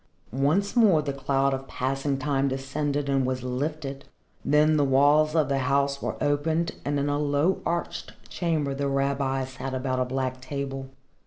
Once more the cloud of passing time descended and was lifted. Then the walls of the house were opened and in a low arched chamber the rabbis sat about a black table.